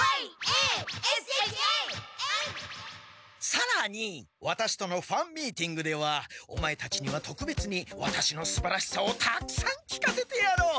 さらにワタシとのファンミーティングではオマエたちにはとくべつにワタシのすばらしさをたくさん聞かせてやろう。